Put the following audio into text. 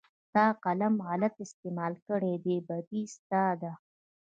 تا قلم غلط استعمال کړى دى بدي ستا ده.